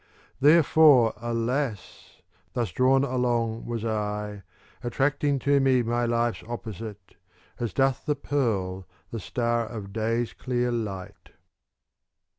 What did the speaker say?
Therefore, alas! thus drawn along was I, Attracting to me my life's opposite, As doth the pearl the star of day's clear light.